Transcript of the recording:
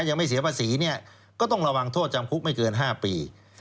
ยังไม่เสียภาษีเนี่ยก็ต้องระวังโทษจำคุกไม่เกิน๕ปี